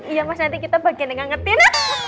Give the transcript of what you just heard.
iya mas nanti kita bagi dengan ngetir